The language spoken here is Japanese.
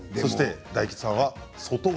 大吉さんは外側。